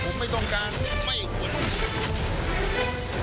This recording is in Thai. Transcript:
ผมไม่ต้องการไม่ควร